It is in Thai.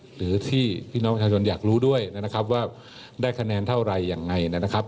หรือที่พี่น้องประชาชนอยากรู้ด้วยนะครับว่าได้คะแนนเท่าไรยังไงนะครับ